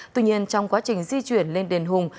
tuy nhiên trong quá trình di chuyển lên đền hùng